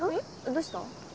どうした？